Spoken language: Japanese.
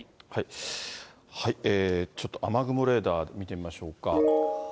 ちょっと雨雲レーダー見てみましょうか。